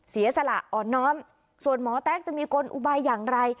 เสียสละอ่อนน้อมส่วนหมอแต๊กจะมีกลอุบายอย่างไร